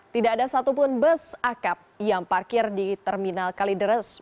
tidak ada satupun bus akap yang parkir di terminal kalideres